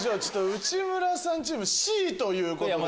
内村さんチームＣということで。